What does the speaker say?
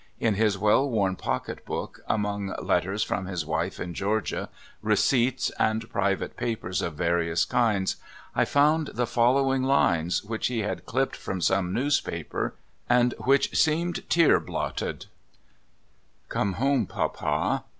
In his well worn pocketbook, among let ters from his wife in Georgia, receipts, and private papers of various kinds, I found the following lines, which he had clipped from some newspaper, and which seemed tear blotted: COME HOME, PAPA!